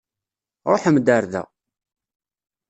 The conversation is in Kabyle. Ṛuḥem-d ar da.